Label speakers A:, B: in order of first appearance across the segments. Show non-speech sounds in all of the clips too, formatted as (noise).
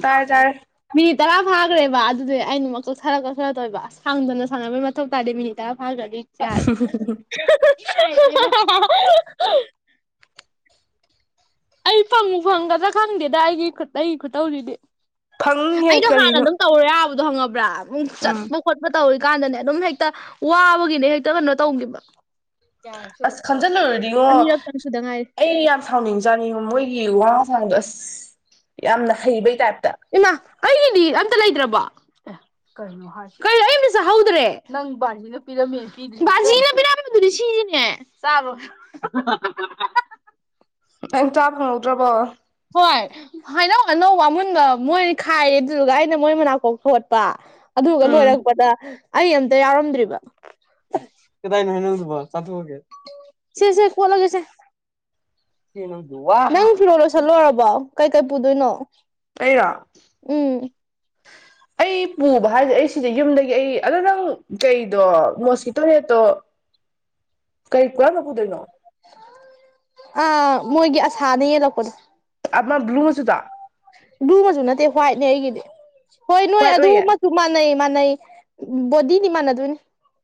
A: ꯇꯔꯦ ꯇꯔꯦ
B: ꯃꯤ ꯇꯔꯥ ꯐꯥꯈ꯭ꯔꯦꯕ ꯑꯗꯨꯗꯤ ꯑꯣꯅꯥ ꯑꯃꯨꯛ ꯀꯛꯊꯔ ꯀꯛꯊꯔ ꯇꯣꯏꯕ ꯁꯥꯡꯗꯅ ꯁꯪꯅꯕꯩ ꯃꯊꯧ ꯇꯥꯗꯦ ꯃꯤꯅꯤꯗ ꯇꯔꯥ ꯐꯥꯒꯔꯗꯤ ꯁꯦꯁ ꯑꯩ ꯐꯪꯕꯨ ꯐꯪꯒꯗ꯭ꯔ ꯈꯪꯗꯦꯗ ꯑꯩꯒꯤ ꯑꯩꯒꯤ ꯈꯨꯠꯇꯧꯁꯤꯗꯤ
A: ꯐꯪꯍꯦ
B: ꯑꯩꯗꯣ ꯍꯥꯟꯅ
A: ꯀꯔꯤꯅꯣ
B: ꯑꯗꯨꯝ ꯇꯧꯔꯦ ꯌꯥꯕꯗꯣ ꯍꯪꯉꯕ꯭ꯔꯥ ꯑꯗꯨꯝ
A: ꯎꯝ
B: ꯆꯠꯄ ꯈꯣꯠꯄ ꯇꯧꯔꯤ ꯀꯥꯟꯗꯅꯦ ꯑꯗꯨꯝ ꯍꯦꯛꯇ ꯋꯥꯕꯒꯤꯅꯦ ꯍꯦꯛꯇ ꯀꯩꯅꯣ ꯇꯧꯈꯤꯕ ꯀꯌꯥꯔꯛ
A: ꯑꯁ
B: ꯁꯨꯔꯕ ꯇꯧ
A: ꯈꯟꯖꯤꯜꯂꯨꯔꯗꯤꯉꯣ
B: ꯑꯅꯤꯔꯛꯇꯪ ꯁꯨꯗ ꯉꯥꯏꯔꯤ
A: ꯑꯩ ꯌꯥꯝ ꯁꯥꯎꯅꯤꯡ ꯖꯥꯠꯅꯤꯉꯣ ꯃꯣꯏꯒꯤ ꯋꯥꯉꯥꯡ ꯁꯥꯥꯉꯥꯡꯗꯣ ꯑꯁ ꯌꯥꯝꯅ ꯍꯩꯕꯩ ꯇꯥꯏꯞꯇ
B: ꯏꯃꯥ ꯀꯩꯒꯤꯗꯤ ꯑꯝꯇ ꯂꯩꯇ꯭ꯔꯕꯣ ꯑꯦ ꯀꯩꯅꯣ ꯍꯥꯏꯁꯤꯕꯣ ꯀꯩꯅꯣ ꯑꯩ ꯑꯃꯇꯥ ꯆꯥꯍꯧꯗ꯭ꯔꯦ ꯅꯪ ꯕꯥꯖꯤꯅ ꯄꯤꯔꯝꯃꯦ ꯕꯥꯁꯤꯅ ꯄꯤꯔꯝꯕꯗꯨꯗꯤ ꯁꯤꯅꯦ ꯆꯥꯔꯣ
A: ꯀꯩꯏꯝ ꯆꯥ ꯐꯪꯍꯧꯗ꯭ꯔꯕꯣ
B: ꯍꯣꯏ ꯍꯩꯅꯧ ꯑꯅꯧꯕ ꯑꯃꯨꯟꯕ ꯃꯣꯏꯅ ꯈꯥꯏꯔꯦ ꯑꯗꯨꯗꯨꯒ ꯑꯩꯅ ꯃꯣꯏ ꯃꯅꯥꯀꯣꯛ ꯊꯣꯠꯄ ꯑꯗꯨꯗꯨꯒ
A: ꯎꯝ
B: ꯂꯣꯏꯔꯛꯄꯗ ꯑꯩ ꯑꯝꯇ ꯌꯥꯎꯔꯝꯗ꯭ꯔꯤꯕ ꯀꯗꯥꯏꯅꯣ ꯅꯪꯒꯤꯗꯨꯕꯨ ꯆꯥꯊꯣꯛꯑꯒꯦ ꯁꯦ ꯁꯦ ꯀꯣꯠꯂꯒꯦꯁꯦ ꯏꯆꯦ ꯅꯪꯗꯤ ꯋꯥ ꯅꯪ ꯐꯤꯔꯣꯜ ꯂꯣꯏꯁꯜꯂꯣꯏꯔꯕꯣ ꯀꯩꯀꯩ ꯄꯨꯗꯣꯏꯅꯣ
A: ꯑꯩꯩꯔꯣ
B: ꯎꯝ
A: ꯑꯩ ꯄꯨꯕ ꯍꯥꯏꯖꯦ ꯑꯩ ꯁꯤꯗꯩ ꯌꯨꯝꯗꯒꯤ ꯑꯩ ꯑꯗꯣ ꯅꯪ ꯀꯩꯗꯣ ꯃꯣꯁꯀꯤꯇꯣ ꯅꯦꯠꯇꯣ ꯀꯩ ꯀꯔꯝꯕ ꯄꯨꯗꯣꯏꯅꯣ
B: ꯑꯥ ꯃꯣꯏꯒꯤ ꯑꯁꯥꯗ ꯌꯦꯜꯂꯛꯄꯗꯣ
A: ꯑꯃ ꯕ꯭ꯂꯨ ꯃꯆꯨꯗꯣ
B: ꯕ꯭ꯂꯨ ꯃꯁꯨ ꯅꯠꯇꯦ ꯍ꯭ꯋꯥꯏꯠꯅꯦ ꯑꯩꯒꯤꯗꯤ ꯍꯣꯏ ꯅꯣꯏ
A: ꯍ꯭ꯋꯥꯏꯠ
B: ꯑꯗꯨ
A: ꯑꯣꯏꯌꯦ
B: ꯃꯥꯟꯅꯩ ꯃꯥꯟꯅꯩ ꯕꯣꯗꯤꯅꯤ ꯃꯥꯟꯅꯗꯣꯏꯅꯤ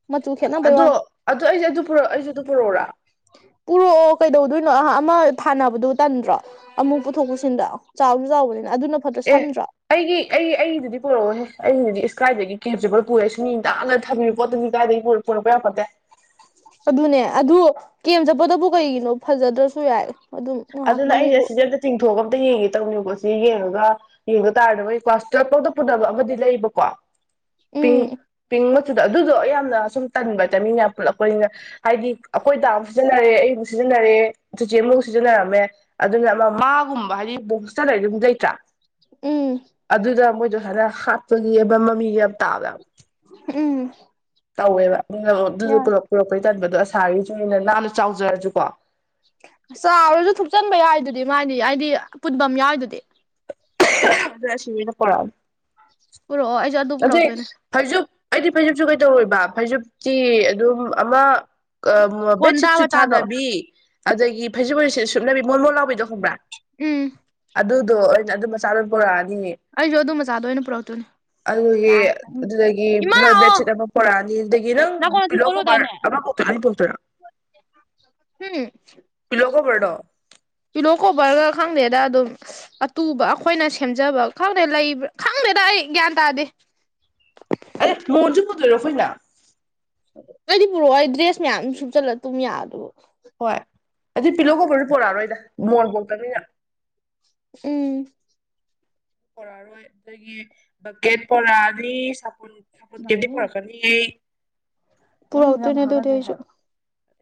B: ꯃꯆꯨ ꯈꯦꯠꯅꯕ
A: ꯑꯗꯣ ꯑꯗꯨ ꯑꯩꯁꯨ ꯑꯗꯨ ꯄꯨꯔꯛ ꯑꯩꯁꯨ ꯑꯗꯨ ꯄꯨꯔꯛꯎꯔꯥ
B: ꯄꯨꯔꯛꯑꯣ ꯀꯩꯗꯧꯗꯣꯏꯅꯣ ꯑꯃ ꯊꯥꯅꯕꯗꯣ ꯇꯟꯗ꯭ꯔꯣ ꯑꯃꯨꯛ ꯄꯨꯊꯣꯛ ꯄꯨꯁꯤꯟꯗ ꯆꯥꯎꯁꯨ ꯆꯥꯎꯕꯅꯤꯅ ꯑꯗꯨꯅ ꯐꯠꯇ꯭ꯔꯣ
A: ꯑꯦ
B: ꯁꯝꯗ꯭ꯔꯣ
A: ꯑꯩꯒꯤ ꯑꯩꯒꯤ ꯑꯩꯗꯨꯗꯤ ꯄꯨꯔꯛꯑꯣꯍꯦ ꯑꯩꯗꯨꯗꯤ ꯏꯁ ꯀꯥꯏꯗꯒꯤ ꯀꯦꯝ ꯆꯠꯄꯗꯥ ꯄꯨꯔꯦ ꯏꯁ ꯃꯤ ꯅꯥꯟꯅ ꯊꯝꯃꯤꯕ ꯄꯣꯠꯇꯗꯤ ꯏꯁ ꯀꯥꯏꯗꯒꯤ ꯄꯨꯔꯛ ꯄꯣꯔꯛꯄ ꯌꯥꯄꯣꯟꯇꯦ
B: ꯑꯗꯨꯅꯦ ꯑꯗꯨ ꯀꯦꯝ ꯆꯠꯄꯗꯕꯨ ꯀꯩꯒꯤꯅꯣ ꯐꯖꯗ꯭ꯔꯁꯨ ꯌꯥꯏ ꯑꯗꯨꯝ
A: ꯑꯗꯨꯅ ꯑꯩꯁꯦ
B: ꯉꯥꯏꯍꯥꯛꯇꯪꯒꯤꯕꯨ
A: ꯑꯁꯤꯖꯦ ꯑꯝꯇ ꯆꯤꯡꯊꯣꯛꯑꯒ ꯑꯝꯇ ꯌꯦꯡꯒꯦ ꯇꯧꯅꯤꯀꯣ ꯁꯤ ꯌꯦꯡꯉꯒ ꯌꯦꯡꯕ ꯇꯥꯔꯦꯗꯅ ꯃꯣꯏ ꯀ꯭ꯂꯥꯁ ꯇꯨꯋꯦꯜ꯭ꯐꯄꯧꯗ ꯄꯨꯗꯕ ꯑꯃꯗꯤ ꯂꯩꯕꯀꯣ
B: ꯎꯝ
A: ꯄꯤꯡ ꯄꯤꯡ ꯊꯨꯗ ꯑꯗꯨꯗꯣ ꯌꯥꯝꯅ ꯁꯨꯝ ꯇꯟꯕ ꯇꯥꯏꯃꯤꯡ ꯌꯥꯝ ꯄꯨꯜꯂꯛꯄꯅꯤꯅ ꯍꯥꯏꯗꯤ ꯑꯩꯈꯣꯏ ꯗꯥ ꯑꯝꯖꯨ ꯁꯤꯖꯤꯟꯅꯔꯦ ꯑꯩ ꯑꯃꯨꯛ ꯁꯤꯖꯤꯟꯅꯔꯦ ꯆꯤꯆꯦ ꯑꯃꯨꯛ ꯁꯤꯖꯤ ꯁꯤꯖꯤꯟꯅꯔꯝꯃꯦ ꯑꯗꯨꯅ ꯑꯃ ꯃꯥꯒꯨꯝꯕ ꯍꯥꯏꯗꯤ ꯕꯣꯡꯁꯇ ꯂꯩꯔꯗꯤ ꯑꯃ ꯂꯩꯇ꯭ꯔꯥ
B: ꯎꯝ
A: ꯑꯗꯨꯗ ꯃꯣꯏꯗꯣ ꯁꯥꯏꯅ ꯍꯥꯠꯄꯒꯤ ꯑꯕ ꯃꯃꯤꯒ ꯌꯥꯝ ꯇꯥꯕ
B: ꯎꯝ
A: ꯇꯧꯋꯦꯕ ꯑꯗꯨꯅ ꯑꯗꯨꯖꯨ
B: ꯌꯥꯏ
A: ꯄꯨꯔꯛ ꯄꯨꯔꯛꯄꯩ ꯇꯟꯕꯗꯣ ꯑꯁꯥꯔꯤꯖꯨꯒꯤꯅ ꯅꯥꯟꯅ ꯆꯥꯎꯖꯔꯖꯨꯀꯣ
B: ꯆꯥꯎꯔꯖꯨ ꯊꯨꯞꯆꯟꯕ ꯌꯥꯏꯗꯨꯗꯤ ꯃꯥꯗꯤ ꯑꯩꯗꯤ ꯄꯨꯨꯟꯕꯝ ꯌꯥꯎꯏꯗꯨꯗꯤ
A: ꯑꯗꯨ ꯑꯁꯤꯅꯦꯅ ꯄꯨꯔꯛꯑꯝꯅꯤ
B: ꯄꯨꯔꯛꯑꯣ ꯑꯩꯁꯨ ꯑꯗꯨ
A: ꯑꯗꯨꯏ
B: ꯄꯨꯔꯛꯇꯣꯏꯅꯦ
A: ꯐꯩꯖꯨꯞ ꯑꯩꯗꯤ ꯐꯩꯖꯨꯞꯖꯨ ꯀꯩꯗꯧꯔꯣꯏꯕ ꯐꯩꯖꯨꯞꯀꯤ ꯑꯗꯨꯝ ꯑꯃ ꯀꯃ
B: ꯀꯣꯟꯗꯥ
A: ꯕꯦꯠꯁꯤꯠꯁꯨ
B: ꯃꯆꯥꯗꯣ
A: ꯊꯥꯗꯕꯤ ꯑꯗꯒꯤ ꯐꯩꯖꯨꯞ ꯑꯣꯏ ꯁꯤ ꯁꯨꯞꯅꯕꯤ ꯃꯣꯟ ꯃꯣꯟ ꯂꯥꯎꯕꯤꯗꯣ ꯈꯪꯕ꯭ꯔꯥ
B: ꯎꯝ
A: ꯑꯗꯨꯗꯣ ꯑꯣꯏꯅ ꯑꯗꯨ ꯃꯆꯥ ꯗꯣ ꯄꯨꯔꯛꯑꯅꯤꯌꯦ
B: ꯑꯩꯖꯨ ꯑꯗꯨ ꯃꯆꯥꯗꯣ ꯑꯣꯏꯅ ꯄꯨꯔꯛꯇꯣꯏꯅꯤ
A: ꯑꯗꯨꯒꯤ ꯑꯗꯨꯗꯒꯤ
B: ꯂꯥꯛꯑꯣ
A: ꯕꯦꯠꯁꯤꯠ ꯑꯃ ꯄꯣꯔꯛꯑꯅꯤ ꯑꯗꯨꯗꯒꯤ ꯅꯪ ꯄꯤꯂꯣ ꯀꯣꯕ꯭ꯔ ꯑꯃꯥ ꯄꯨꯔꯛꯇꯣꯏꯔꯥ ꯑꯅꯤ ꯄꯨꯔꯛꯇꯣꯏꯔ
B: ꯍꯨꯝ
A: ꯄꯤꯂꯣ ꯀꯣꯕ꯭ꯔꯗꯣ
B: ꯄꯤꯂꯣ ꯀꯣꯕ꯭ꯔꯒ ꯈꯪꯗꯦꯗ ꯑꯗꯨꯝ ꯑꯇꯨꯕ ꯑꯩꯈꯣꯏꯅ ꯁꯦꯝꯖꯕ ꯈꯪꯗꯦ ꯂꯩꯕ꯭ꯔꯥ ꯈꯪꯗꯦꯗ ꯑꯩ ꯒ꯭ꯌꯥꯟ ꯇꯥꯗꯦ
A: ꯑꯦ ꯃꯣꯟꯖꯨ ꯄꯨꯗꯣꯏꯔꯣ ꯑꯩꯈꯣꯏꯅ
B: ꯑꯩꯗꯤ ꯄꯨꯔꯛꯑꯣꯏ ꯗ꯭ꯔꯦꯁ ꯃꯌꯥꯝ ꯁꯨꯞꯆꯜꯂ ꯇꯨꯝ ꯌꯥꯕꯗꯨꯕꯨ
A: ꯍꯣꯏ ꯑꯗꯨ ꯄꯤꯂꯣ ꯀꯣꯕ꯭ꯔꯖꯨ ꯄꯣꯔꯛꯑꯔꯣꯏꯗ ꯃꯣꯟ ꯄꯣꯛꯇꯝꯅꯤꯅ
B: ꯎꯝ
A: ꯄꯣꯔꯛꯑꯔꯣꯏ ꯑꯗꯒꯤ ꯕꯛꯀꯦꯠ ꯄꯣꯔꯛꯑꯅꯤ ꯁꯥꯄꯨꯟ ꯁꯥꯄꯨꯟ ꯀꯦꯞꯗꯤ ꯄꯣꯔꯛꯀꯅꯤ ꯑꯩ
B: ꯄꯨꯔꯛꯇꯣꯏꯅꯦ ꯑꯗꯨꯗꯤ ꯑꯩꯁꯨ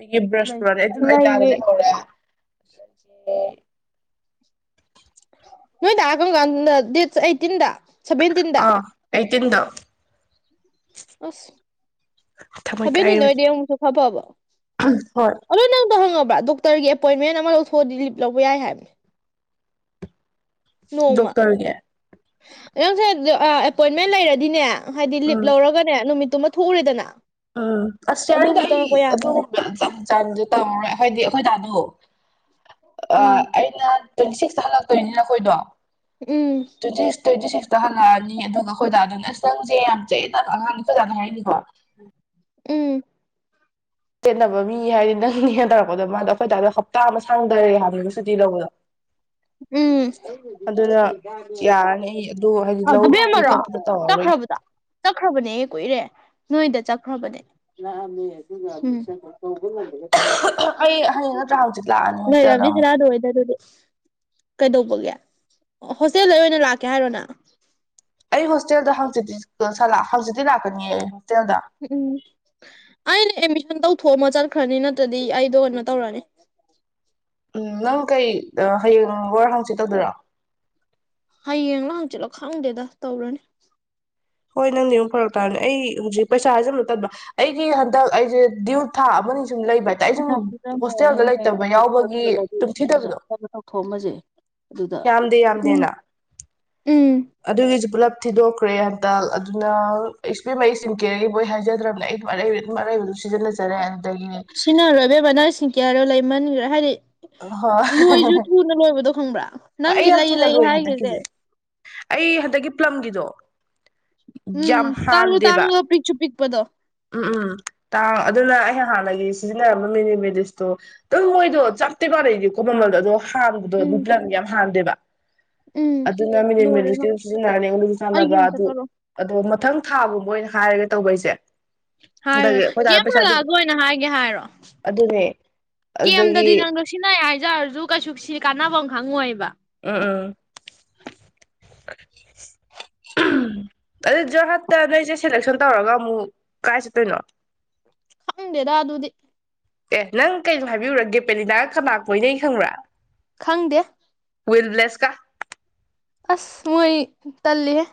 A: ꯑꯩꯒꯤ ꯕ꯭ꯔꯁꯄꯨꯔꯔꯦ ꯑꯩꯖꯨ ꯑꯩꯗꯤ ꯑꯗ
B: ꯂꯩꯌꯦ
A: ꯂꯩꯍꯧꯔꯦ (unintelligible)
B: ꯅꯣꯏ ꯗꯥ ꯀꯝ ꯀꯥꯟꯗ ꯗꯦꯠꯁ ꯑꯩꯠꯇꯤꯟꯗ ꯁꯚꯦꯟꯇꯤꯟꯗ
A: ꯑꯥ ꯑꯩꯠꯇꯤꯟꯗ
B: ꯑꯁ
A: ꯊꯃꯣꯏ ꯀꯥꯏ
B: ꯁꯕꯦꯟꯇꯤꯟꯗ ꯑꯣꯏꯗꯤ ꯑꯃꯨꯛꯁꯨ ꯐ ꯐꯕ
A: ꯍꯣꯏ
B: ꯑꯗꯣ ꯅꯪꯗꯣ ꯍꯪꯉꯕ꯭ꯔꯥ ꯗꯣꯛꯇ꯭ꯔꯒꯤ ꯑꯦꯄꯣꯏꯟꯃꯦꯟ ꯑꯃ ꯂꯧꯊꯣꯛꯑꯗꯤ ꯂꯤꯞ ꯂꯧꯕ ꯌꯥꯏ ꯍꯥꯏꯕꯅꯦ ꯅꯣꯡꯃ
A: ꯗꯣꯛꯇꯔꯒꯤ
B: ꯅꯪꯁꯦ ꯑ ꯑꯦꯄꯣꯏꯟꯃꯦꯟ ꯂꯩꯔꯗꯤꯅꯦ ꯍꯥꯏꯗꯤ ꯂꯤꯞ
A: ꯎꯝ
B: ꯂꯧꯔꯒꯅꯦ ꯅꯨꯃꯤꯠꯇꯨꯃ ꯊꯣꯛꯎꯔꯦꯗꯅ
A: ꯑ ꯑꯁ
B: ꯑꯗꯨ
A: ꯌꯥꯔꯅꯤꯗ
B: ꯑꯃꯨꯛ
A: ꯑꯩ
B: ꯆꯪꯉꯛꯄ ꯌꯥꯕ
A: ꯑꯗꯨ ꯕꯑꯥꯟ ꯆꯟ ꯆꯥꯟꯗꯤ ꯇꯧꯔꯔꯣꯏ ꯑꯍꯥꯏꯗꯤ ꯑꯩꯈꯣꯏ ꯗꯥꯗꯣ ꯑꯥ
B: ꯎꯝ
A: ꯑꯩ ꯑꯩꯅ ꯇ꯭ꯋꯦꯟꯇꯤ ꯁꯤꯛꯁꯇ ꯍꯜꯂꯛꯇꯣꯏꯅꯤꯅ ꯑꯩꯈꯣꯏꯗꯣ
B: ꯎꯝ
A: ꯇ꯭ꯋꯦꯟꯇꯤꯁ ꯇ꯭ꯋꯦꯟꯇꯤ ꯁꯤꯛꯁ ꯇꯥꯍꯜꯂꯛꯑꯅꯤ ꯑꯗꯨꯒ ꯑꯩꯈꯣꯏ ꯗꯥꯗꯨꯅ ꯑꯁ ꯅꯪꯁꯦ ꯌꯥꯝ ꯆꯌꯦꯠꯅꯕ ꯑꯉꯥꯡꯅꯤ ꯆꯠꯖꯥꯅ ꯍꯥꯏꯔꯛꯏꯅꯤꯀꯣ
B: ꯎꯝ
A: ꯆꯦꯟꯅꯕ ꯃꯤ ꯍꯥꯏꯗꯤ ꯅꯪꯅꯤꯍꯦ‌ ꯇꯧꯔꯛꯄꯗꯣ ꯃꯥꯗꯣ ꯑꯩꯈꯣꯏ ꯗꯥꯗꯣ ꯍꯞꯇꯥ ꯑꯃ ꯁꯥꯡꯗꯔꯦ ꯍꯥꯏꯕꯅꯦꯕ ꯁꯨꯇꯤ ꯂꯧꯕꯗꯣ
B: (inaudible) ꯎꯝ
A: ꯑꯗꯨꯅ ꯌꯥꯔꯅꯤ ꯑꯩ ꯑꯗꯨ ꯍꯥꯏꯗꯤ ꯂꯧ ꯄꯤ
B: ꯑꯕꯦꯝꯃꯔꯣ
A: ꯈꯣꯠꯄꯗꯣ ꯇꯧꯔꯔꯣꯏꯒꯦ
B: ꯆꯠꯈ꯭ꯔꯕ ꯆꯠꯈ꯭ꯔꯕꯅꯦꯍꯦ ꯀꯨꯏꯔꯦ ꯅꯣꯏꯗ ꯆꯠꯈ꯭ꯔꯕꯅꯦ (unintelligible) ꯂꯩꯔꯝꯅꯤ ꯁꯅꯊꯣꯏ
A: ꯑꯩ ꯍꯌꯦꯡ ꯅꯠꯇ꯭ꯔꯥ ꯍꯪꯆꯤꯠ ꯂꯥꯛꯑꯅꯤ ꯍꯣꯁꯇꯦꯜꯗ ꯑꯃꯨꯛ
B: ꯍꯣꯏꯗ ꯑꯗꯨꯗꯤ ꯀꯩꯗꯧꯕꯒꯦ ꯍꯣꯁꯇꯦꯜꯗꯩ ꯑꯣꯏꯅ ꯂꯥꯛꯀꯦ ꯍꯥꯏꯔꯣ ꯅꯪ
A: ꯑꯩ ꯍꯣꯁꯇꯦꯜꯗ ꯍꯥꯡꯆꯤꯠꯇꯤ ꯁꯂꯥꯛ ꯍꯡꯆꯤꯠꯇꯤ ꯂꯥꯛꯀꯅꯤꯌꯦ ꯑꯩ ꯍꯣꯁꯇꯦꯜꯗ
B: ꯎꯝ ꯎꯝ ꯑꯩꯗꯤ ꯑꯦꯠꯃꯤꯁꯟ ꯇꯧꯊꯣꯛꯑꯝꯃ ꯆꯠꯈ꯭ꯔꯅꯤ ꯅꯠꯇ꯭ꯔꯗꯤ ꯑꯩꯗꯣ ꯀꯩꯅꯣ ꯇꯧꯔꯅꯤ
A: ꯎꯝ ꯅꯪ ꯀꯩ ꯑ ꯍꯌꯦꯡꯔꯣꯔ ꯍꯡꯆꯤꯠ ꯇꯧꯗꯣꯏꯔꯣ
B: ꯍꯌꯦꯡꯂ ꯍꯪꯆꯤꯠꯂ ꯈꯪꯗꯦꯗ ꯇꯧꯔꯅꯤ
A: ꯍꯣꯏ ꯅꯪꯗꯤ ꯑꯃꯨꯛ ꯐꯔꯛ ꯇꯥꯔꯅꯤ ꯑꯩ ꯍꯧꯖꯤꯛ ꯄꯩꯁꯥꯖꯦ ꯑꯃꯨꯛ ꯇꯟꯕ ꯑꯩꯒꯤ ꯍꯟꯗꯛ ꯑꯩꯖꯦ ꯗ꯭ꯌꯨ ꯊꯥ ꯑꯃꯅꯤ ꯁꯨꯝ ꯂꯩꯕ ꯍꯥꯏꯇꯥꯔꯦ ꯑꯩ ꯁꯨꯝ
B: (unintelligible)
A: ꯍꯣꯁꯇꯦꯜꯗ ꯂꯩꯇꯕ ꯌꯥꯎꯕꯒꯤ ꯇꯨꯝꯊꯤꯗꯕꯗꯣ
B: ꯑꯗꯨꯗ
A: ꯌꯥꯝꯗꯦ
B: ꯎꯝ
A: ꯌꯥꯝꯗꯦꯅ
B: ꯎꯝ
A: ꯑꯗꯨꯒꯤꯁꯨ ꯄꯨꯂꯞ ꯊꯤꯗꯣꯛꯈ꯭ꯔꯦ (unintelligible) ꯍꯥꯏꯖꯗ꯭ꯔꯕꯅꯦ ꯑꯩ ꯑꯗꯨꯝ ꯑꯔꯩꯕ ꯑꯗꯨꯝ ꯑꯔꯩꯕꯗꯨ ꯁꯤꯖꯤꯟꯅꯖꯔꯦ ꯑꯗꯨꯗꯒꯤꯅꯦ
B: ꯁꯤꯅꯔꯣ ꯑꯕꯦꯕꯃ ꯅꯪ ꯁ꯭ꯀꯤꯟꯀꯤꯌꯔ ꯗꯣ ꯂꯩꯃꯟꯒ꯭ꯔꯦ ꯍꯥꯏꯗꯤ ꯂꯣꯏꯖꯨ
A: ꯍꯣꯏ
B: ꯊꯨꯅ ꯂꯣꯏꯕꯗꯣ ꯈꯪꯕ꯭ꯔꯥ
A: ꯑꯩ
B: ꯅꯪꯒꯤ
A: ꯌꯥꯝ
B: ꯂꯩ
A: ꯊꯨꯅ
B: ꯂꯩ
A: ꯂꯣꯏ
B: ꯍꯥꯏꯒꯖꯦ
A: ꯍꯟꯗꯛꯀꯤꯁꯦ ꯑꯩ ꯍꯟꯗꯛꯀꯤ ꯄ꯭ꯂꯝꯒꯤꯗꯣ
B: ꯎꯝ
A: ꯌꯥꯝ
B: ꯇꯥꯡꯖꯨ
A: ꯍꯥꯟꯗꯦꯕ
B: ꯇꯥꯡꯕ ꯄꯤꯛꯁꯨꯨ ꯄꯤꯛꯄꯗꯣ
A: ꯎꯝ ꯎꯝ ꯇꯥꯡ ꯑꯗꯨꯅ ꯑꯩ ꯍꯥꯟꯅꯒꯤ ꯁꯤꯖꯤꯟꯅꯔꯝꯕ ꯃꯦꯅꯨꯕꯦꯗꯤꯁꯇꯣ ꯑꯗꯨꯝ ꯃꯣꯏꯗꯣ ꯆꯞ ꯇꯤ ꯃꯥꯅꯩꯅꯤꯀꯣ ꯃꯃꯜꯗꯣ ꯑꯗꯣ ꯍꯥꯟꯕꯗꯣ
B: ꯎꯝ
A: ꯑꯃꯨꯛ ꯄ꯭ꯂꯝꯒꯤ ꯌꯥꯝ ꯍꯥꯟꯗꯦꯕ
B: ꯎꯝ
A: ꯑꯗꯨꯅ
B: ꯂꯣꯏꯔꯦꯅ
A: ꯃꯤꯅꯤꯃꯤꯂꯤꯁꯀꯤ ꯁꯤꯖꯤꯟꯅꯔꯅꯤ ꯑꯩꯉꯣꯟꯗꯁꯨ
B: ꯑꯩꯒꯤ
A: ꯆꯥꯟꯅꯕ
B: ꯑꯝꯇ
A: ꯑꯗꯨ
B: ꯇꯧꯔꯛꯑꯣ
A: ꯑꯗꯣ ꯃꯊꯪ ꯊꯥꯒꯨꯝꯕ ꯑꯣꯏꯅ ꯍꯥꯏꯔꯒ ꯇꯧꯕ ꯑꯩꯁꯦ
B: ꯍꯥꯏꯔꯣ
A: ꯍꯟꯗꯛꯀꯤ ꯑꯩꯈꯣꯏ ꯗꯥꯅ
B: ꯀꯦꯝ
A: ꯄꯩꯁꯥ ꯑꯗꯨꯝ
B: ꯍꯜꯂꯛꯑꯒ ꯑꯣꯏꯅ ꯍꯥꯏꯒꯦ ꯍꯥꯏꯔꯣ
A: ꯑꯗꯨꯅꯦ ꯑꯗꯨꯗꯒꯤ
B: ꯀꯦꯝꯗꯗꯤ ꯅꯪꯗꯣ ꯁꯤꯟꯅꯩ ꯍꯥꯏꯖꯔꯁꯨ ꯀꯩꯁꯨ ꯁꯤ ꯀꯥꯟꯅꯕꯥꯝ ꯈꯪꯉꯣꯏꯕ
A: ꯑꯥ ꯑꯥ
B: (inaudible)
A: (unintelligible) ꯅꯣꯏꯁꯦ ꯁꯦꯂꯦꯛꯁꯟ ꯇꯧꯔꯒ ꯑꯃꯨꯛ ꯀꯥꯏ ꯆꯠꯇꯣꯏꯅꯣ
B: ꯍꯪꯗꯦꯗ ꯑꯗꯨꯗꯤ
A: ꯑꯦ ꯅꯪ ꯀꯩꯅꯣ ꯍꯥꯏꯕꯤꯌꯨꯨꯔꯥ ꯒꯦꯄꯦꯂꯤꯅꯥꯒ ꯀꯅꯥ ꯀꯣꯏꯅꯩ ꯈꯪꯕ꯭ꯔꯥ
B: ꯈꯪꯗꯦ
A: ꯋꯤꯜꯕ꯭ꯂꯦꯁꯀ
B: ꯑꯁ ꯃꯣꯏ ꯇꯜꯂꯤꯍꯦ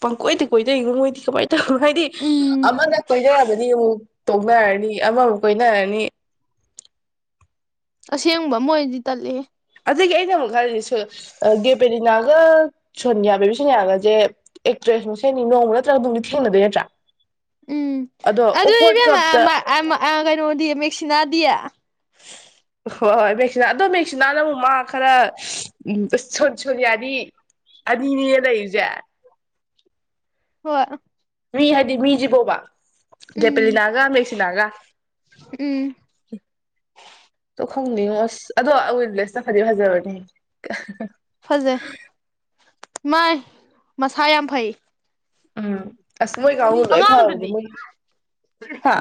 A: ꯄꯪꯀꯣꯏꯗꯤ ꯀꯣꯏꯅꯩꯉꯣ ꯃꯣꯏꯗꯤ ꯀꯃꯥꯏ ꯍꯥꯏꯗꯤ
B: ꯎꯝ
A: ꯑꯃꯅ ꯀꯣꯏꯅꯔꯃꯅꯤ ꯑꯃꯨꯛ ꯇꯣꯛꯅꯔꯅꯤ ꯑꯃꯃꯨꯛ ꯀꯣꯏꯅꯔꯅꯤ
B: ꯑꯁꯦꯡꯕ ꯃꯣꯏꯗꯤ ꯇꯜꯂꯤꯍꯦ
A: ꯑꯗꯒꯤ ꯑꯩꯅ ꯑꯃꯨꯛ ꯈꯜꯂꯤ ꯁꯣꯏ ꯑ ꯒꯦꯄꯦꯂꯤꯅꯥꯒ ꯁꯣꯅꯤꯌꯥ ꯕꯦꯕꯤꯁꯣꯅꯤꯌꯥꯒꯖꯦ ꯑꯦꯛꯇ꯭ꯔꯦꯁ ꯃꯁꯦꯅꯤ ꯅꯣꯡꯃ ꯅꯠꯇ꯭ꯔꯒ ꯅꯣꯡꯗꯤ ꯊꯦꯡꯅꯗꯣꯏ ꯅꯠꯇ꯭ꯔꯥ
B: ꯎꯝ
A: ꯑꯗꯣ
B: ꯑꯗꯨ
A: ꯑꯣꯀꯋꯥꯔꯗ
B: ꯏꯕꯦꯝꯃ ꯑ
A: ꯀꯞꯇ
B: ꯃ ꯑ ꯃ ꯑ ꯀꯩꯅꯣꯗꯤ ꯃꯦꯛꯁꯤꯅꯥꯗꯤ
A: ꯍꯣꯏ ꯍꯣꯏ ꯃꯦꯛꯁꯤꯅꯥ ꯑꯗꯣ ꯃꯦꯛꯁꯤꯅꯥꯅ ꯑꯃꯨꯛ ꯃꯥ ꯈꯔ ꯎꯝ ꯁꯣ ꯁꯣꯅꯤꯌꯥꯗꯤ ꯑꯅꯤꯅꯤꯅꯦ ꯂꯩꯔꯤꯖꯦ
B: ꯍꯣꯏ
A: ꯃꯤ ꯍꯥꯏꯗꯤ ꯃꯤꯖꯤꯕꯣꯕ
B: ꯎꯝ
A: ꯒꯦꯄꯦꯂꯤꯅꯥꯒ ꯃꯦꯛꯁꯤꯅꯥꯒ
B: (inaudible)
A: ꯇꯣ ꯈꯪꯗꯦꯉꯣ ꯑꯁ ꯑꯗꯣ ꯋꯤꯜꯕ꯭ꯂꯦꯁꯇꯣ ꯐꯗꯤ ꯐꯖꯕꯅꯤꯍꯦ
B: ꯐꯖꯩ ꯃꯥꯏ ꯃꯁꯥ ꯌꯥꯝ ꯐꯩ
A: ꯎꯝ ꯑꯁ ꯃꯣꯏ
B: ꯍꯥꯏꯗꯤ
A: ꯀꯥꯡꯕꯨ ꯂꯣꯏ ꯐꯕꯅꯦ
B: ꯑꯉꯥꯡꯗꯨꯗꯤ
A: ꯃꯣꯏ ꯍꯥ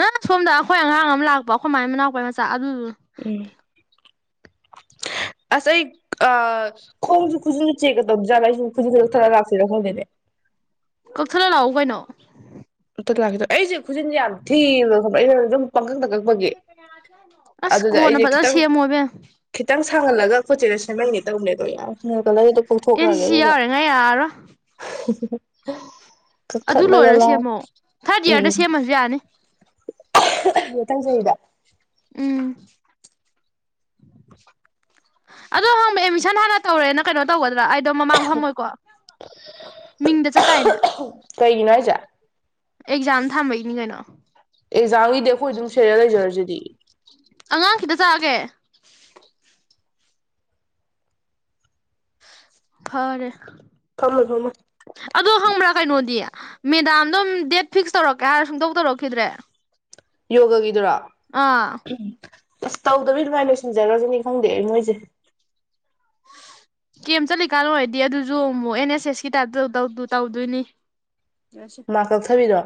B: ꯑꯥ ꯁꯣꯝꯗ ꯑꯩꯈꯣꯏ ꯑꯉꯥꯡ ꯑꯃ ꯂꯥꯛꯄ ꯑꯩꯈꯣꯏ ꯃꯥꯏ ꯃꯅꯥꯎꯄꯥꯏ ꯃꯆꯥ ꯑꯗꯨꯗꯨ
A: ꯎꯝ ꯑꯁ ꯑꯩ ꯑ ꯈꯣꯡꯖꯨ ꯈꯨꯖꯤꯜ ꯆꯦꯛꯀ ꯇꯧ ꯖꯥꯠꯂꯒ ꯑꯩꯁꯨ ꯈꯨꯖꯤꯜ ꯀꯛꯊꯠꯂ ꯂꯥꯛꯁꯤꯔ ꯈꯪꯗꯦꯅꯦ
B: ꯀꯛꯊꯠꯂ ꯂꯥꯛꯎ ꯀꯩꯅꯣ
A: ꯑꯝꯇ ꯂꯥꯛꯀꯦ ꯗꯣ ꯑꯩꯖꯦ ꯈꯨꯖꯤꯟꯁꯦ ꯌꯥꯝ ꯊꯤꯌꯦꯕ ꯈꯪꯕꯔ ꯑꯩꯅ ꯑꯗꯨꯝ ꯄꯪꯀꯛꯇ ꯀꯛ
B: ꯑꯁ ꯀꯣꯅ ꯐꯖꯅ ꯁꯦꯝꯃꯣ ꯏꯕꯦꯝ
A: ꯈꯤꯠꯇꯪ ꯁꯥꯥꯡꯍꯜꯂꯒ ꯈꯣꯏ ꯆꯦꯗ ꯁꯦꯝꯍꯜꯒꯦ ꯇꯧꯕꯅꯦ ꯑꯗꯣ ꯌꯥꯔꯦ ꯅꯦꯜ ꯀꯂꯔ
B: ꯑꯦꯟ ꯁꯤ
A: ꯀꯣꯛꯊꯣꯛꯈꯔꯒꯦ
B: ꯁꯤ
A: ꯑꯗꯨꯒ
B: ꯌꯥꯎꯔꯤꯉꯩ ꯌꯥꯔꯔꯣꯏ
A: ꯀꯛꯊꯠꯂ ꯂꯥꯎ
B: ꯊꯔꯗ ꯌꯔ ꯗ ꯁꯦꯝꯃꯖꯨ ꯌꯅꯤ
A: ꯏꯀꯥꯏꯖꯩꯗ
B: ꯎꯝ ꯑꯗꯨ ꯑꯍꯟꯕ ꯑꯦꯗꯃꯤꯁꯟ ꯍꯥꯟꯅ ꯇꯧꯔꯦꯅ ꯀꯩꯅꯣ ꯇꯧꯒꯗ꯭ꯔꯥ ꯑꯩꯗꯣ ꯃꯃꯥꯡ ꯐꯝꯃꯣꯏꯀꯣ ꯃꯤꯡꯗ ꯆꯠꯇꯥꯥꯏꯅꯦ
A: ꯀꯩꯒꯤꯅꯣ ꯍꯥꯏꯁꯦ
B: ꯑꯦꯛꯖꯥꯝ ꯊꯝꯕꯩꯅꯤ ꯀꯩꯅꯣ
A: ꯑꯦꯛꯖꯥꯝ ꯒꯤꯗꯤ ꯑꯩꯈꯣꯏ ꯑꯗꯨꯝ ꯁꯦꯔꯦꯜ ꯂꯩꯖꯔꯖꯤꯗꯤ
B: ꯑꯉꯥꯡ ꯈꯤꯠꯇ ꯆꯥꯒꯦ ꯐꯔꯦ
A: ꯐꯝꯃꯣꯏ ꯐꯝꯃꯣꯏ
B: ꯑꯗꯣ ꯈꯪꯕ꯭ꯔꯥ ꯀꯩꯅꯣꯗꯤ ꯃꯦꯗꯥꯝꯗꯣꯝ ꯗꯦꯠ ꯐꯤꯛꯁ ꯇꯧꯔꯛꯀꯦ ꯍꯥꯏꯔ ꯁꯨꯡꯇꯧ ꯇꯧꯔꯛꯈꯤꯗ꯭ꯔꯦ
A: ꯌꯣꯒ ꯒꯤꯗꯨꯔꯣ
B: ꯑ
A: ꯎꯝ ꯑꯁ ꯇꯧꯗꯕꯤ ꯑꯗꯨꯃꯥꯏꯅ ꯂꯣꯏꯁꯤꯟꯖꯔꯒꯅꯤ ꯈꯪꯗꯦ ꯑꯩ ꯃꯣꯏꯖꯦ
B: ꯀꯦꯝ ꯆꯠꯂꯤꯀꯥꯟ ꯑꯣꯏꯔꯗꯤ ꯑꯗꯨꯖꯨ ꯑꯃꯨꯛ ꯑꯦꯟ ꯑꯦꯁ ꯑꯦꯁꯀꯤ ꯇꯥꯏꯞꯇ ꯇꯧ ꯇꯧꯗꯣꯏꯅꯤ ꯌꯔꯦꯁꯦ
A: ꯃꯥꯛ ꯀꯛꯊꯕꯤꯗꯣ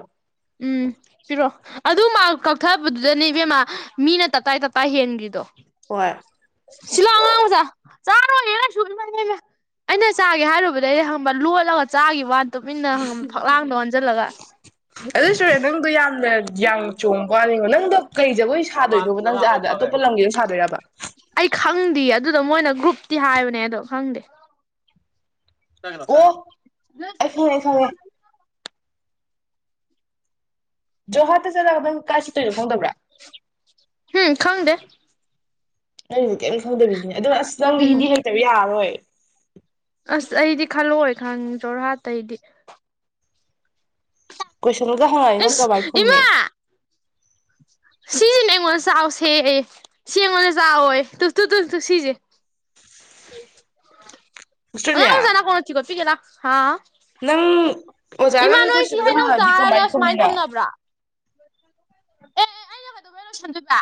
B: ꯎꯝ ꯄꯤꯔꯣ ꯑꯗꯨ ꯃꯔꯛ ꯀꯛꯊꯕꯗꯨꯗꯅꯦ ꯏꯕꯦꯝꯃ ꯃꯤꯅ ꯇꯞꯇꯥꯥꯏ ꯇꯞꯇꯥꯥꯏ ꯍꯦꯟꯒ꯭ꯔꯤꯗꯣ
A: ꯍꯣꯏ
B: ꯁꯤꯂꯥꯎ ꯑꯉꯥꯡ ꯃꯆꯥ ꯆꯥꯔꯣꯏꯌꯦ ꯀꯩꯁꯨ ꯏꯃꯩ ꯃꯩ ꯑꯩꯅ ꯆꯥꯒꯦ ꯍꯥꯏꯔꯨꯕꯗꯒꯤ ꯈꯪꯕ꯭ꯔꯥ ꯂꯣꯠꯂꯒ ꯆꯥꯒꯤ ꯋꯥꯅꯦ ꯇꯨꯃꯤꯟꯅ ꯈꯪꯉꯕ ꯐꯛꯂꯥꯡꯗ ꯑꯣꯟꯖꯤꯜꯂꯒ
A: ꯑꯗꯨ ꯁꯨꯔꯦ ꯅꯪꯗꯣ ꯌꯥꯝꯅ ꯌꯥꯡꯅ ꯆꯣꯡꯕ ꯋꯅꯤꯉꯣ ꯅꯪꯗꯣ ꯀꯩ ꯖꯒꯣꯏ ꯁꯥꯗꯣꯏꯅꯣꯕ ꯅꯪꯖꯦ ꯑꯥꯗ ꯑꯇꯣꯞꯄ ꯂꯝꯒꯤ ꯁꯥꯗꯣꯏꯔꯕ
B: ꯑꯩ ꯈꯪꯗꯤꯌꯦ ꯑꯗꯨꯗꯣ ꯃꯣꯏꯅ ꯒ꯭ꯔꯨꯞꯇꯤ ꯍꯥꯏꯕꯅꯦ ꯑꯗꯣ ꯈꯪꯗꯦ ꯆꯒꯦ ꯂꯥꯎ ꯆꯒꯦ ꯂꯥꯎ
A: ꯑꯣ ꯑꯩ ꯈꯪꯉꯦ ꯑꯩ ꯈꯪꯉꯦ ꯖꯣꯍꯥꯠꯇ ꯆꯠꯂꯒ ꯅꯪ ꯀꯥꯏ ꯆꯠꯇꯣꯅꯣ ꯈꯪꯗꯕ꯭ꯔꯥ
B: ꯍꯨꯝ ꯈꯪꯗꯦ
A: ꯅꯪꯒꯤꯗꯤ ꯀꯩꯑꯝ ꯊꯪꯗꯕꯤꯅꯤꯅꯦ ꯑꯗꯣ ꯑꯁ ꯅꯪꯗꯤ
B: ꯎꯝ
A: ꯍꯤꯟꯗꯤ ꯍꯩꯇꯕꯤ ꯌꯥꯔꯔꯣꯏ
B: ꯑꯁ ꯑꯩꯗꯤ ꯈꯜꯂꯛꯑꯣꯏ ꯈꯪꯉꯦ ꯖꯣꯔꯍꯥꯠꯇ ꯑꯩꯗꯤ
A: ꯀꯣꯏꯁꯟꯒ ꯍꯪꯉꯛꯑꯗꯤ ꯅꯪ
B: ꯏꯁ
A: ꯀꯃꯥꯏ ꯈꯨꯝꯅꯤ
B: ꯁꯤ ꯅ ꯑꯩꯉꯣꯟꯗ ꯆꯥꯎꯁꯦꯌꯦ ꯁꯤ ꯑꯩꯉꯣꯟꯗ ꯆꯥꯎꯋꯣꯌꯦ ꯇꯨ ꯇꯨ ꯇꯨ ꯇꯨ ꯁꯤꯖꯦ ꯑꯉꯥꯡ ꯃꯆꯥ
A: ꯁꯤꯁꯇꯔꯅꯦ
B: ꯅꯀꯣꯡ ꯅꯞꯊꯤ ꯀꯣꯠꯄꯤꯒꯦ ꯂꯥꯎ ꯍꯥꯎ
A: ꯅꯪ
B: ꯏꯃꯥ
A: ꯑꯣꯖꯥꯅꯒ
B: ꯅꯣꯏꯁꯤ
A: ꯀꯣꯏꯁꯟꯒ
B: ꯍꯩꯅꯧ
A: ꯍꯪꯉꯛꯑꯗꯤ ꯀꯃꯥꯏ
B: ꯆꯥꯔꯒ
A: ꯈꯨꯝꯅꯤ
B: ꯁꯨꯃꯥꯏꯅ
A: ꯅꯪ
B: ꯊꯝꯅꯕ꯭ꯔꯥ (inaudible) ꯑꯦ ꯑꯦ ꯑꯩꯅ ꯀꯩꯗꯧꯕꯩ ꯂꯣꯢꯁꯟꯗꯣꯏꯕ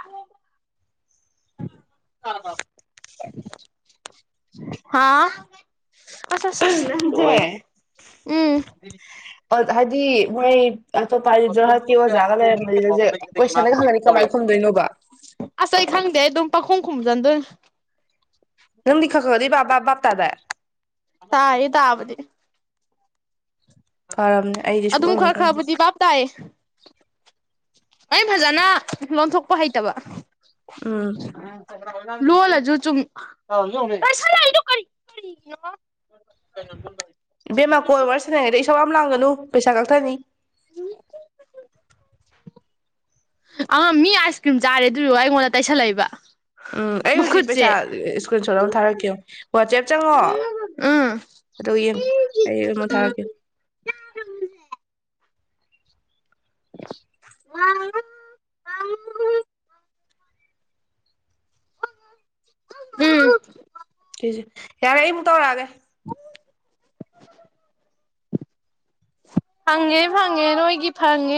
B: (inaudible) ꯍꯥꯥ ꯑꯁ ꯑꯁ
A: ꯅꯪꯁꯦ
B: ꯂꯣꯏꯔꯦꯍꯦ ꯎꯝ
A: ꯄꯠ ꯍꯥꯏꯗꯤ ꯃꯣꯏ ꯑꯇꯣꯞꯄ ꯍꯥꯏꯗꯤ ꯖꯔꯍꯠꯀꯤ ꯑꯣꯖꯥꯒ ꯂꯩꯔꯝꯃꯗꯤ ꯅꯪꯁꯦ ꯀꯣꯏꯁꯟꯗꯒ ꯍꯪꯉꯅꯤ ꯀꯃꯥꯏꯅ ꯈꯨꯝꯗꯣꯏꯅꯣꯕ
B: ꯑꯁ ꯑꯩ ꯈꯪꯗꯦ ꯑꯗꯨꯝ ꯄꯪꯈꯨꯝ ꯈꯨꯝꯖꯟꯗꯣꯏ
A: ꯅꯪꯗꯤ ꯈꯔ ꯈꯔꯗꯤ ꯕꯥꯞ ꯕꯥꯞ ꯕꯥꯞ ꯇꯥꯗꯥꯏ
B: ꯇꯥꯏꯌꯦ ꯇꯕꯗꯤ
A: ꯐꯔꯕꯅꯦ ꯑꯩꯗꯤ
B: ꯑꯗꯨꯝ
A: ꯁꯨꯛꯈꯪ ꯍꯦꯛ
B: ꯈꯔ
A: ꯈꯪꯗꯦ
B: ꯈꯔꯕꯨꯗꯤ ꯚꯥꯞ ꯇꯥꯏꯌꯦ ꯑꯩ ꯐꯖꯅ ꯂꯣꯟꯊꯣꯛꯄ ꯍꯩꯇꯕ
A: ꯎꯝ
B: ꯂꯣꯂꯖꯣ ꯆꯨꯝ ꯀ (unintelligible)
A: ꯕꯦꯝꯃꯥ ꯀꯣꯜ ꯋꯥꯔꯤꯔ ꯁꯟꯅꯅꯤꯡꯉꯩꯗ ꯑꯩ ꯏꯁꯁꯨꯥꯎ ꯌꯥꯝ ꯂꯥꯡꯒꯅꯨ ꯄꯩꯁꯥ ꯀꯛꯊꯅꯤ
B: ꯎ ꯑ ꯃꯤ ꯑꯥꯏꯁ ꯀ꯭ꯔꯤꯝ ꯆꯥꯔꯦ ꯑꯗꯨꯏ ꯑꯩꯉꯣꯟꯗ ꯇꯩꯁꯜꯂꯛꯏꯕ
A: ꯎꯝ ꯑꯩ ꯍꯧꯖꯤꯛ
B: ꯃꯈꯨꯠꯁꯦ
A: ꯄꯩꯁꯥ ꯏꯁꯀ꯭ꯔꯤꯟ ꯁꯣꯠ ꯑꯃ ꯊꯥꯔꯛꯀꯦ ꯋꯥꯆꯦꯞ ꯆꯪꯉꯣ
B: ꯎꯝ
A: ꯑꯗꯣ ꯌꯦꯡ ꯑꯩꯡ ꯑꯃꯨꯛ ꯊꯥꯔꯛꯀꯦ
B: ꯋꯥ (unintelligible) ꯎꯝ
A: ꯁꯤꯁꯦ ꯌꯥꯔꯦ ꯑꯩꯃꯨꯛ ꯇꯧꯔꯛꯑꯒꯦ
B: (inaudible) ꯐꯪꯉꯦ ꯐꯪꯉꯦ ꯅꯣꯏꯒꯤ ꯐꯪꯉꯦ